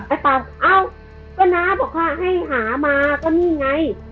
ไปเป่าเอ้าก็น้าบอกว่าให้หามาก็นี่ไง